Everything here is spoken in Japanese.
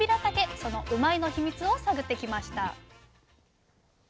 そのうまいッ！の秘密を探ってきました。